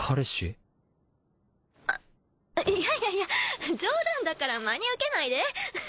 ◆いやいやいや冗談だから真に受けないで。